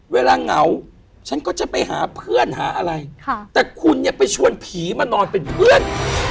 เหงาฉันก็จะไปหาเพื่อนหาอะไรแต่คุณเนี่ยไปชวนผีมานอนเป็นเพื่อน